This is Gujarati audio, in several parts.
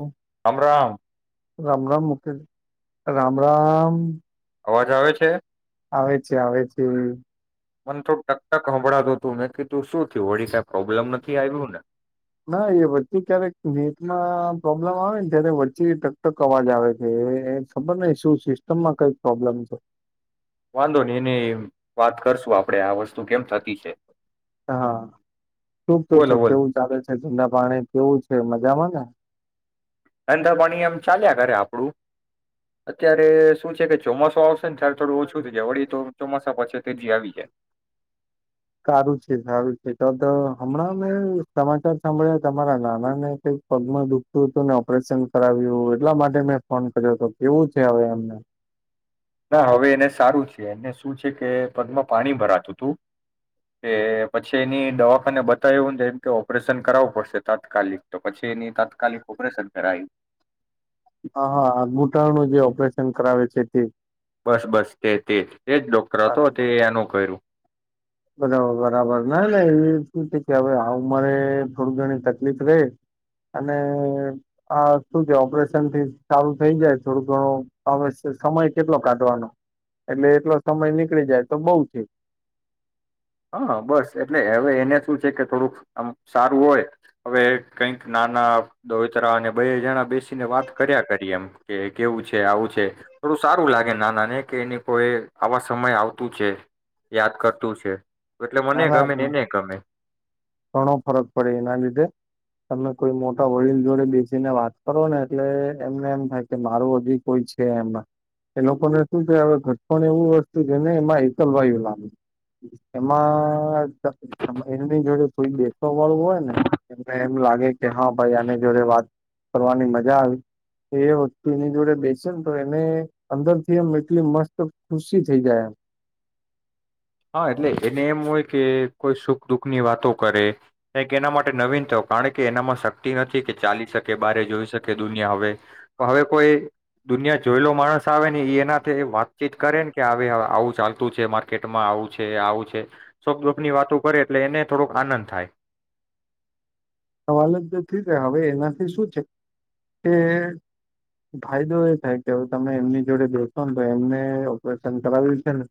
હા રામરામ રામ રામ મુકે રામ રામ અવાજ આવે છે. આવે છે આવે છે. મને થોડું ટકટક સંભળતું તું મેને ક તું શું થયું વળી સાહેબ ના એ બધું ક્યારેક નીટમાં પ્રોબ્લેમ આવે ને ત્યારે વચ્ચે ટક ટક અવાજ આવે છે ખબર નહ શું સિસ્ટમમાં કઈક પ્રોબ્લેમ છે વાંધો નને એની વાત કરશું આપડે આ વસ્તુ કેમ થતી છે હા શુંક તો છો બોલો બોલો કેવું ચાલે છે ધંધા પાણી કેવું છે મજામાં ધંધા પાણી એમ ચાલ્યા કરે આપડું અત્યારે શું છે કે ચોમાસું આવશે થોડું ઓછું થઈ જાય વળી તો પછી તે જ આવી જાય સારું છે સારું છે તો હમણાં મેં સમાચાર સાંભળ્યા તમારા નાના ને કઈક પગમાં દુખતું હતુંને ઓપરેશન કરાવ્યું એટલા માટે મેં ફોન કર્યો હતો કેવું છે હવે એમને ના હવે એને સારું છે એને શું છે કે પદમાં પાણી ભરાતું હતું કે પછી એની દવાખાને બતાવેવુંને એમ કે ઓપરેશન કરાવવું પડશે તાત્કાલિક તો પછી તેની તત્કાલિક ઓપરેશન કરાવવી- હા હા આ બૂટાળણ નું જે ઓપરેશન કરાવે છે હમ બસ બસ તે તે જ તે જ ડોક્ટર હતો તે એનું કર્યું બરાબર બરાબર ના એવી શું કે હવે આવ મારે થોડું ઘણી તકલીફ રહે અને આ શું છે ઓપરેશનથી સારું થઈ જાય થોડો ઘણો હ સમય કેટલો કાઢવાનો એટલે એટલો સમય નીકળી જાય તો બઉ છે હા બસ એટલે હવે એને શું છે કે થોડુંક આમ સારું હોય હવે કઈક નાના દતરા અને બે જણા બેસીને વાત કર્યા કરી એમ કે કેવું છે આવું છે થોડું સારું લાગે નાના ને કે એની કો એ આવા સમય આવતું છે યાદ કરતું છે. એટલે મને નાના ગમે ને એને ગમે ઘણો ફરક પડે એના લીધે તમે કોઈ મોટા વડીલ જોડે બેસીને વાત કરો ને એટલે એમને એમ થાય કે મારું હજી કોઈ છે એમાં એ લોકોને શું થ હવે ઘટપણ એવું વસ્તુ છેને એમાં એકલવાયુ લાગે એમાં એની જોડે. થઈ બેસવા વાળું હોય ને એને એમ લાગે કે હા ભાઈ આને જોડે વાત કરવાની મજા આવી એ વસ્તુ એની જોડે બેસે ને તો એને અંદર થી એમ એટલી મસ્ત ખુશી થઈ જાય એમ. હા એટલે એને એમ હોય કે કોઈ સુખ દુઃખની વાતો કરે એના કે માટે નવીનતા કારણ કે એનામાં શક્તિ નથી કે ચાલી શકે બારે જોઈ શકે દુનિયા હવે તો હવે કોઈ દુનિયા જોયેલો માણસ આવે ને એ એનાથી વાતચીત કરે ને કે આવે આવું ચાલતું છે માર્કેટ. આવું છે આવું છે સુખ દુઃખની વાતો કરે એટલે એને થોડોક આનંદ થાય. સવાલ જ જ હવે એનાથી શું છે કે ફાયદો એ થાય કે હવે તમે એમની જોડે બેસો ને તો એમને ઓપરેશન કરાવ્યું છે ને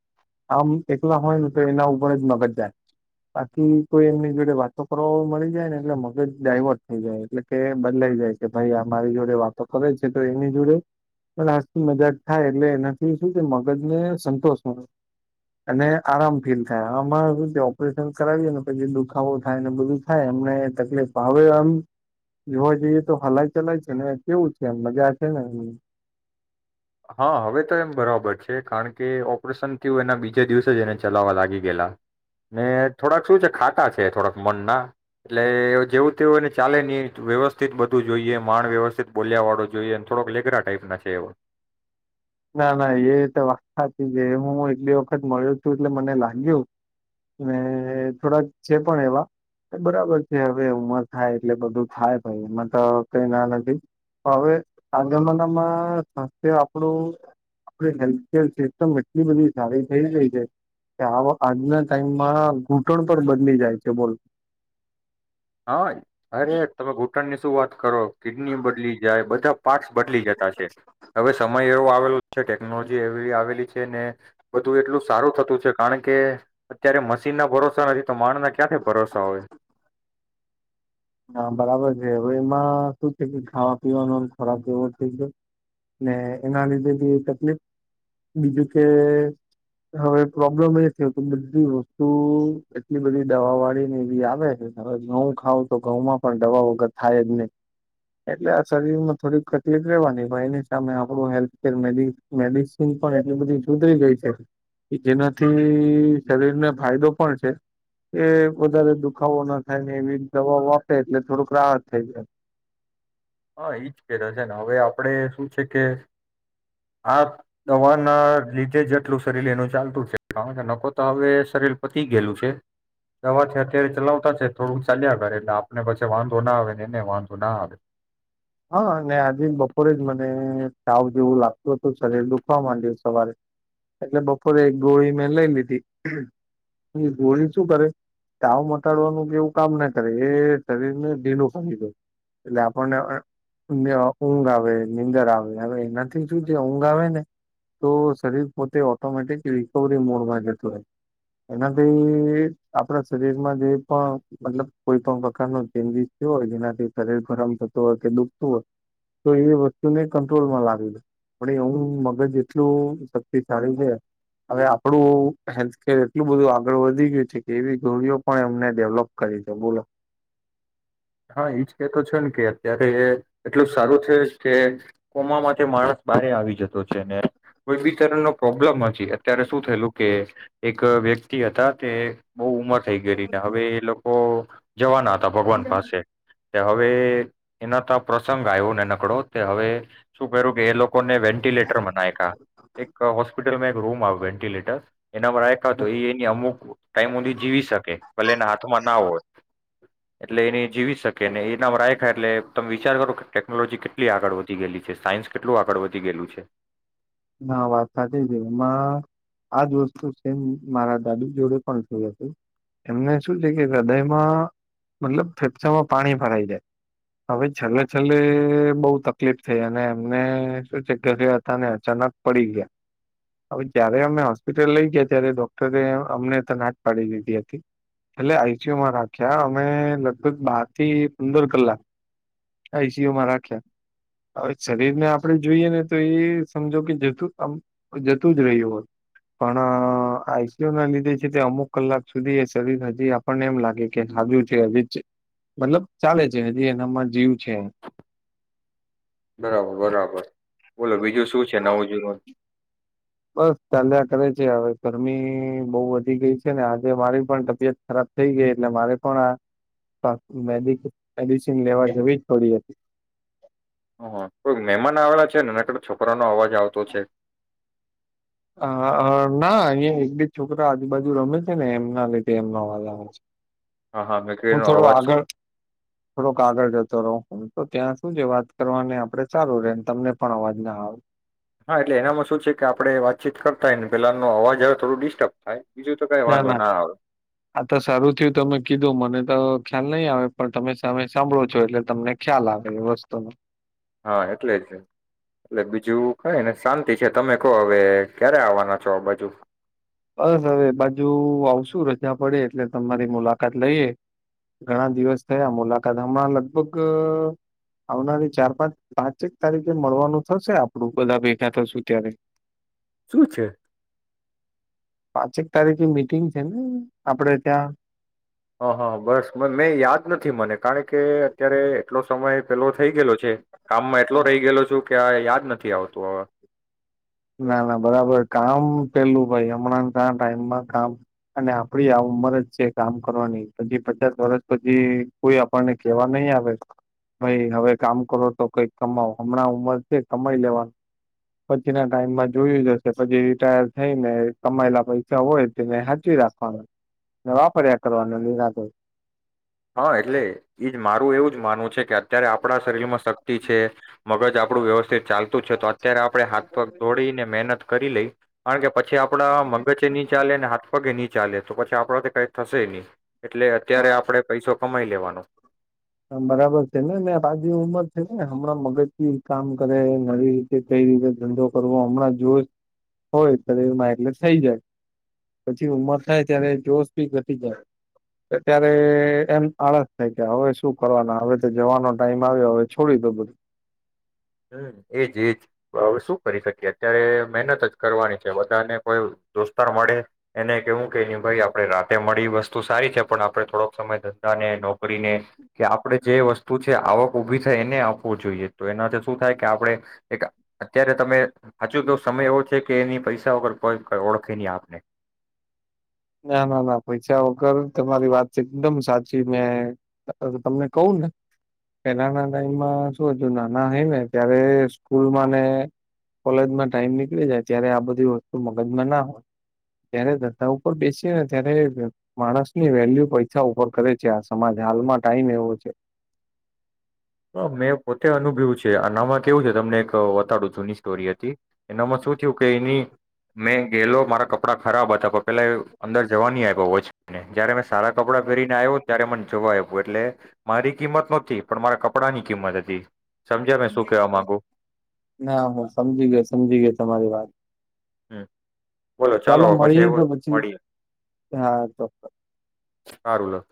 આમ એકલા હોય ને તો એના ઉપર જ મગજ જાય બાકી કોઈ એમની જોડે વાતો કરવા મળી જાય ને એટલે મગજ. મજ ડાયવર્ટ થઈ જાય એટલે કે બદલાઈ જાય કે ભાઈ આ મારી જોડે વાતો કરે છે તો એની જોડે લની મજાક થાય એટલે એનાથી શું છે મગજને સંતોષ મળે અને આરામ ફીલ થાય આમાં શુ છે ઓપરેશન કરાવીએ ને પછી દુખાવો થાય ને બધું થાય એમને તકલીફ. હવે આમ જોવા જઈએ તો હલાય ચલાય છે ને કેવું છે એમ મજા છે ને એ. હા હવે તો એમ બરાબર છે કારણ કે ઓપરેશન થયું એના બીજા દિવસે જ એને ચલાવવા લાગી ગયેલા ને થોડાક શું છે ખાતા છે થોડાક મનના એટલે જેવું તેવું એને ચાલે નહીં વ્યવસ્થિત બધું જોઈએ માણ વ્યવસ્થિત બોલ્યા વાળો જોઈએ થોડક લેગરા ટાઈપના છે એ. ના ના એ તો વાત સાચી છે હું એટલી વખત મળ્યો છું એટલે મને લાગ્યું ને થોડાક છે પણ એવા બરાબર છે હવે ઉમર થાય એટલે બધું થાય ભાઈ એમાં તો કઈ ના નથી હવે આ જમાનામાં આપણું. આપડી હેલ્થકેર સિસ્ટમ એટલી બધી સારી થઈ ગઈ છે કે આ આજના ટાઈમમાં ઘૂંટણ પણ બદલી જાય છે બોલ. હા અરે તમે ઘૂટણ ની. શુ વાત કરો કિડની બદલી જાય બધા પાર્ટસ બદલી જતા છે હવે સમય એવો આવેલો છે ટેકનોલોજી. આવેલી છે ને બધું એટલું સારું થતું છે કારણ કે અત્યારે મશીન ના ભરોસા નથી તો માણ ના. ક્યાંથી ભરોસા હોય. હા બરાબર છે હવે એમાં શું છે કે ખાવા પીવાનો ખોરાક એવો થઈ ગયો ને એના લીધે બી તકલીફ બીજું કે હવે પ્રોબ્લેમ એ થયો કે બધી વસ્તુ એટલી બધી દવા વાળી ને એવી આવે છે હવે નવું ખાવ. તો ઘઉંમાં પણ દવા વગર થાય જ નહીં એટલે આ શરીરમાં થોડીક તકલીફ રહેવાની પણ એની સામે આપણું હેલ્થકેર મેડ મેડિસિન પણ એટલી બધી સુધરી ગઈ છે કે જેનાથી શરીરને ફાયદો પણ છે એ વધારે દુખાવો ન થાય ને એવી.. દવા આપે એટલે થોડુંક રાહત થઈ જાય. હા એ જ કર છે ને હવે આપણેે શું છે કે આ દવા ના લીધે જ આટલું શરીર એનું ચાલતું છે કારણ કે નકો તો હવે શરીર પતી ગયેલું છે દવાથી અત્યારે ચલાવતા છે થોડુંક ચાલ્યા કરે એટલે આપને પછી વાંધો ના આવે ને એને વાંધો ના આવે. હા અને આજે બપોરે જ મને તાવ જેવું લાગતું હત શરીર દુખવા માંડ સવારે એટલે બપોરે એક ગોળી મેં લઈ લીધી એ ગોળી શું કરે ચાવ મટાડવાનું કેવું કામ ના કરે એ શરીર ને ઢીંડું પડી દય એટલે આપણને. ઊંઘ આવે નીંદર આવે હ વે એનાથી શું જે ઊંઘ આવે ને તો શરીર પોતે ઓટોમેટિક રિકવરી મોડમાં જતું હોય એનાથી આપણા શરીરમાં જે પણ મતલબ કોઈ પણ પ્રકારનો ચેન્જીસ થયો હોય જેનાથી શરીર ગરમ થતો હોય કે દુ. તો એ વસ્તુને કંટ્રોલમાં લાવી દે પણ એવું મગજ એટલું શક્તિશાળી છે હવે આપણું હેલ્થકેર એટલું બધું આગળ વધી ગયું છે કે એવી ગોળી ઓ પણ એમને ડેવલોપ કરી છે બોલો. હા એજ કેતો છે ને કે અત્યારે એ એટલું સારું છે કે કોમા માટે માણસ બારે આવી જતો છે ને કોઈ બી તરણ નો પ્રોબ્લેમ. અત્યારે શું થયેલું કે. એક વ્યક્તિ હતા તે. બહુ ઉમર થઈ ગયને હવે એ લોકો. જવાના હતા ભગવાન પાસે. હવે એના તો પ્રસંગ આવ્યો ને નકડો તે હવે શું કર્યું કે એ લોકો. લોકોને વેન્ટિલેટર મા નાખીયા એક હોસ્પિટલ એક રૂમ આવ વેન્ટિલેટર. [unintelligible] એનામાં રાયખા તો એ એની અમુક ટાઈમોધી જીવી શકે ભલે એના હાથમાં ના હોય. એટલે એની જીવીશ શકે ને એના રાખાય એટલે તમે વિચાર કરો કે ટેકનોલોજી કેટલી આગળ વધી ગયેલી છે સાયન્સ કેટલું આગળ વધી ગયેલું છે. ના વાત સાચી છે એમાં આજ વસ્તુ સેમ મારા દાદી જોડે પણ થયું હતું એમને શું છે કે હૃદયમાં મતલબ ફેફસામાં પાણી ભરાઈ જાય હવે છેલ્લે છેલ્લે બહ તકલીફ થઈ અને એમને શું છે ઘરે હતા ને. અચાનક પડી ગયા હવે જયારે અમે હોસ્પિટલ લઈ ગયા ત્યારે ડોક્ટરે અમને ત ના પાડી દીધી હતી એટલે આઈસીયુ માં રાખ્યા અમે લગભગ બાર થી પંદર કલાક આઈસીયુમાં રાખ્યા હવે શરીર ને આપડે જોઈએ ને તો એ. સમજો કે જતું આમ જતું જ રહ્યું હોય પણ આઈસીયુ ના લીધે છે તે અમુક કલાક સુધી એ શરીર હજી આપણને એમ લાગે કે હાજુ છે હજી મતલબ ચાલે છે હજી એનામાં જીવ છે. બરાબર બરાબર. બોલો બીજું શું છે નવું જૂનું. બસ ચાલ્યા કરે છે હવે ગરમી બહુ વધી ગઈ છે ને આજે મારી પણ તબિયત ખરાબ થઈ ગઈ એટલે મારે પણ આ મેડિસિન લેવા જવી જ પડી હતી. કોઈ મહેમાન આવેલા છે ને ન છોકરાનો અવાજ આવતો છે. અ ના અહિયાં એક બેજ છોકરા આજુ બાાજુ રમે છે ને એમના લીધે એમ નો અવાજ આવે છે. હા હા હું મેકડીનો થોડો અવાજ આગળ થોડોક આગળ જતો રહું હ તો ત્યાં સુું છે વાત કરવાને આપડે ચાલુ રેને તમને પણ અવાજ ના આવ હા એટલે એનામાં શું છે કે આપડણે વાતચીત કરતાય ને પેલા ન અવાજ થોડું ડિસ્ટર્બ થાય બીજું તો કઈ ના વાંધો ના આવે આતા સારું થયું તમે કીધું મને તો ખ્યાલ નહીં આવે પણ તમેમે સાંભળો છો એટલે તમને ખ્યાલ આવે એ વસ્તુનો હા એટલે જ એટલે બીજું કઈ ને શાંતિ છે તમે કહો હવે ક્યારે આવવાના છો બાજુ બસ હવે બાજુ આવશું રજા પડે એટલે તમારી મુલાકાત લઈએ ઘણા દિવસ થયા મુલાકાત હમણાં લગભગ આવનારી ચાર પાંચ પાંચેક તારીખે મળવાનું થશે આપડું બધા ભેગા થશુ ત્યારે શું છે. પાંચેક તારીખ મિટિંગ છે ને આપડે ત્યાં હ હા બસ મેં યાદ નથી મને કારણ કે અત્યારે એટલો સમય પેલો થઈ ગયેલો છે કામમાં એટલો રહી ગયેલો છુ ક યાદ નથી આવતું હવે ના ના બરાબર કામ પેલું ભાઈ હમણાં ટાઈમમાં કામ અને આપડી આ ઉંમર જ છે કામ કરવાની પછી પચાસ વર્ષ પછી કોઈ આપણને કેવા નહી આવે ભાઈ હવે કામ કરો તો કઈક કમાવ હમણાં ઉંમર છે કમાઈ લેવાનું પ છી ના ટાઈમમાં જોયું જશે પછી રિટાયર થઈને કમાયેલા પૈસા હોય તેને હાચી રાખવાનો વાપર્યા કરવાનો નિરાદ હા એટલે ઈજ મારું એવું જ માનવું છે કે ત્યારે આપણા શરીરમાં શક્તિ છે. મગજ આપણું વ્યવસ્થિત ચાલતું છે તો અત્યારે આપડણે હાથ પગ દોડીને મહેનત કરી લઈ કારણ કે પછી આપડા મગજે ની ચાલે અને હાથ પગે ની ચ ચાલે તો પછી આપડ તો કઈ થશે નહી એટલે હા અત્યારે આપડે કમાઈ લેવાનું બરાબર છે ને આજ ઉંમર છે ને હમણાં મગજથી કામ કરે નવી રીતે કઈ રીતે ધંધો કરવો હમણાં જોશ હોય એમાં એટલે થઈ જાય પછી ઉંમર થાય ત્યારે જોશ ભી ઘટી જાય ત્યારે એમ આળસ થાય ગાય હવે શું ફના હવે તો જવાનો ટાઈમ આવ્યો હવે છોડી દો બધું હમ એજ એજ હવે શું કરી શકીએ અત્યારે મહેનત જ કરવાની છે બધાને કોઈ દોસ્તાર મળે એને કેવું કેને ભાઈ આપણે રાતે મળી વસ્તુ સારી છે પણ આપણે થોડોક સમય ધંધા ને નોકરીને કે આપડણે જે વસ્તુ છે આવક ઊભી થાય એને આપવું જોઈએ તો એનાથી શું થાય કે આપણે એક અત્યારે તમે સાચું કે સમય એવો છે કે એની પૈસા વગર કોઈ ઓળખી નહી આપને ના ના ના પૈસા વગર તમારી વાત એકદમ સાચી મેં તમને કહું ને પેલાના ટાઈમમાં શું હતું નાના હોય ને ત્યારે સ્કૂલમાં ને કોલેજમાં ટાઈમ નીકળી જાય ત્યારે આ બધી વસ્તુ મગજમાં ના હોય ત્યારે ધધા ઉપર બેસી ને ત્યારે માણસની વેલ્યુ પૈસા ઉપર કરે છે આ સમાજ હાલમાં ટાઈમ એવો છે હ મેં પોતે અનુભ્યું છે આનામાં કેવું છે તમને એક વતાડું જૂની સ્ટોરી હતી એનામાં શું થયું કે એની મેં ગેલો મારા કપડાં ખરાબ હતા પણ પેલા અંદર જવા નઈ આવ્યો હોને જયારે મેં સારા કપડાં પહેરીને આવ્યો ત્યારે મને જોવા આવ્યું એટલે મારી કિંમત નહોતી પણ મારા કપ કપડાની કિંમત હતી કેવા માંગુ ના હું સમજી ગયો સમજી ગયો તમારી વાત હમ બોલો ચાલો પછી મળીએે તો એવું પછી મળીએ હા ચોક્ક ચાર ઉલત